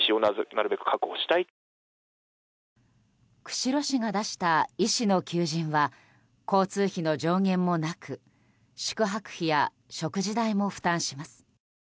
釧路市が出した医師の求人は交通費の上限もなく宿泊費や食事代も負担します。